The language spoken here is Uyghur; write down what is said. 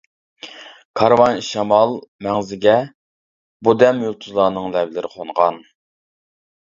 كارۋان شامال مەڭزىگە بۇ دەم يۇلتۇزلارنىڭ لەۋلىرى قونغان.